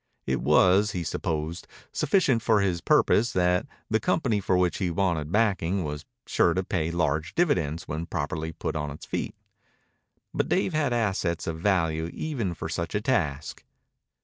It was, he supposed, sufficient for his purpose that the company for which he wanted backing was sure to pay large dividends when properly put on its feet. But Dave had assets of value even for such a task.